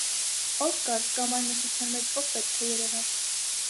- Ո՞վ կար կամ այն մթության մեջ ո՞վ պետք է երևար: